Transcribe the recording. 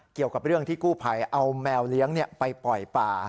เกี่ยวกับเรื่องที่กู้ภัยเอาแมวเลี้ยงไปปล่อยป่า